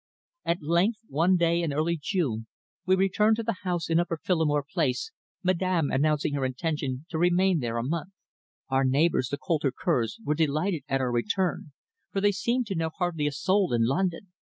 At length, one day in early June, we returned to the house in Upper Phillimore Place, Madame announcing her intention to remain there a month. Our neighbours, the Coulter Kerrs, were delighted at our return, for they seemed to know hardly a soul in London.